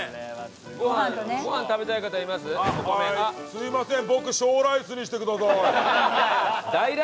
すみません。